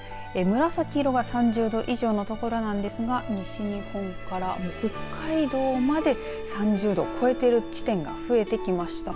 紫色が３０度以上の所なんですが西日本から北海道まで３０度を超えている地点が増えてきました。